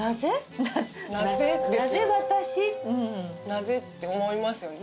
「なぜ？」って思いますよね